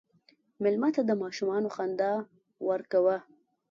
مېلمه ته د ماشومان خندا ورکوه.